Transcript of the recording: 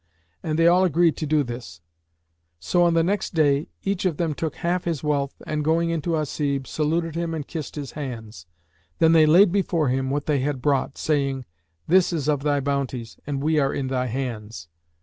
And they all agreed to do this; so on the next day, each of them took half his wealth and, going in to Hasib, saluted him and kissed his hands. Then they laid before him what they had brought, saying, "This is of thy bounties, and we are in thy hands."